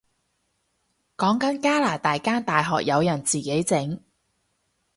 講緊加拿大間大學有人自己整